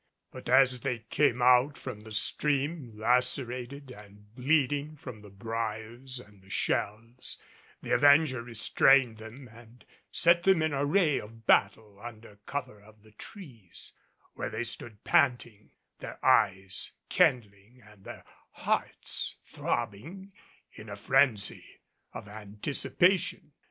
But as they came out from the stream, lacerated and bleeding from the briars and the shells, the Avenger restrained them and set them in array of battle under cover of the trees, where they stood panting, their eyes kindling and their hearts throbbing in a frenzy of anticipation.